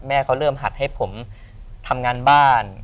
เขาเริ่มหัดให้ผมทำงานบ้าน